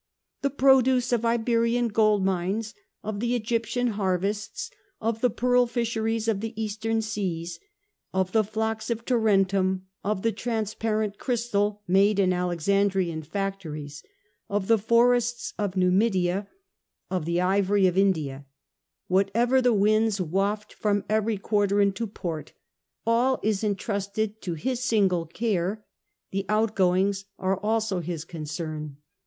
* The produce of Iberian gold mines, of the Egyptian harvests, of the pearl fisheries of the Eastern seas, of the flocks of Tarentum, of the transparent crystal made in /Vlexandrian factories, of the forests of Numidia, of the o a CH. IX. r 96 The Age of the A ntonines. ivory of India, whatever the winds waft from every quarter into port — all is entrusted to his single care. The outgoings are also his concern.